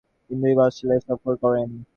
তিনি দুইবার অস্ট্রেলিয়া সফর করেন।